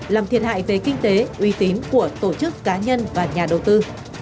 làm thiệt hại về kinh tế uy tín của tổ chức cá nhân và nhà đầu tư